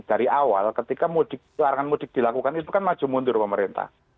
dari awal ketika larangan mudik dilakukan itu kan maju mundur pemerintah